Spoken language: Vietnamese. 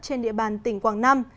trên địa bàn tỉnh quảng nam